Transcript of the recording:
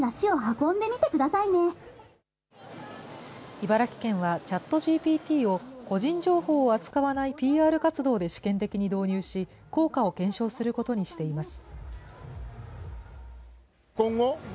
茨城県は、ＣｈａｔＧＰＴを個人情報を扱わないＰＲ活動で試験的に導入し、効果を検証することにしています。